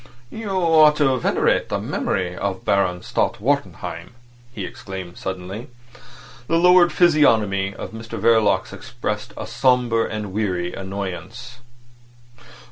"You ought to venerate the memory of Baron Stott Wartenheim," he exclaimed suddenly. The lowered physiognomy of Mr Verloc expressed a sombre and weary annoyance.